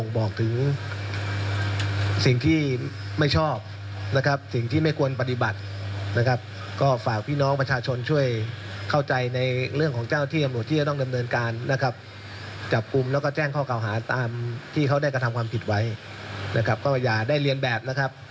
ก็จะได้เรียนแบบแล้วครับ